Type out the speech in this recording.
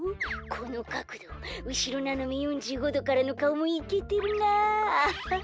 このかくどうしろななめ４５どからのかおもいけてるなあアハハ。